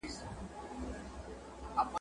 یوې ښځي زوی مُلا ته راوستلی !.